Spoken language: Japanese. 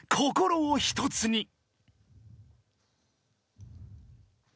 ［心を一つに］